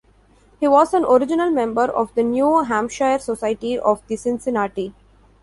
He was an original member of the New Hampshire Society of the Cincinnati.